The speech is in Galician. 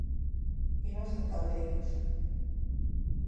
Imos ata Oleiros.